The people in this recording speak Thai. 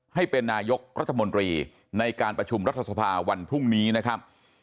ให้เป็นนายกรัฐมนตรีในการประชุมรัฐสภาวันพรุ่งนี้นะครับ